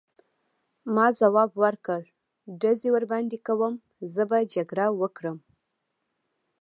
ما ځواب ورکړ: ډزې ورباندې کوم، زه به جګړه وکړم.